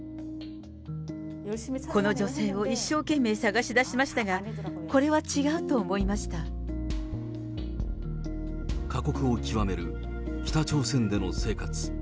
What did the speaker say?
この女性を一生懸命探し出しましたが、これは違うと思いまし過酷を極める北朝鮮での生活。